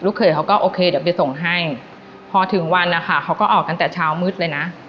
เขยเขาก็โอเคเดี๋ยวไปส่งให้พอถึงวันนะคะเขาก็ออกตั้งแต่เช้ามืดเลยนะ